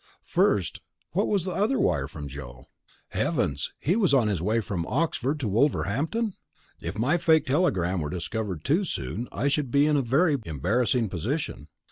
First, what was the other wire from Joe? Heavens, was he on his way from Oxford to Wolverhampton? If my fake telegram were discovered too soon I should be in a very embarrassing position.